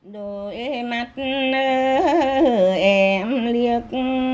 đôi mắt em liếc